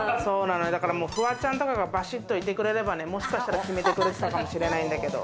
フワちゃんとかがバシッといてくれればね、もしかしたら決めてくれてたかもしれないんだけど。